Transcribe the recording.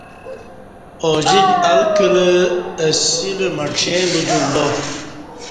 ا جیک ال کلہ اہ سیلہ مڄیں بدیوک با